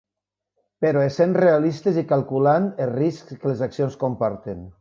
Però essent realistes i calculant els riscs que les accions comporten.